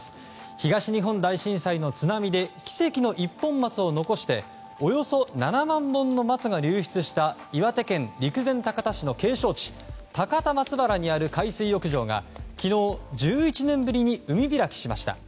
東日本大震災の津波で奇跡の一本松を残しておよそ７万本の松が流出した岩手県陸前高田市の景勝地・高田松原にある海水浴場が昨日、１１年ぶりに海開きしました。